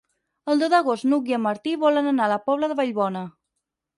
El deu d'agost n'Hug i en Martí volen anar a la Pobla de Vallbona.